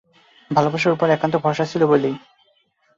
ভালোবাসার উপর একান্ত ভরসা ছিল বলেই।